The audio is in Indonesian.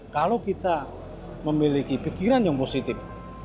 kalau kita memiliki pikiran yang positif